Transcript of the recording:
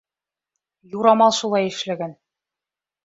Юрамал шулай эшләгән!